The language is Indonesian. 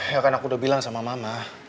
ya kan aku udah bilang sama mama